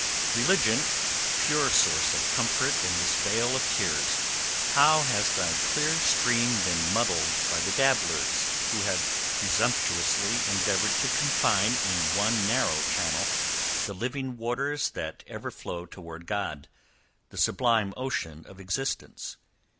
Religion, pure source of comfort in this vale of tears! how has thy clear stream been muddied by the dabblers, who have presumptuously endeavoured to confine in one narrow channel, the living waters that ever flow toward God the sublime ocean of existence!